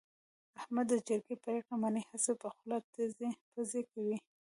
احمد د جرگې پرېکړه مني، هسې په خوله ټزې پزې کوي.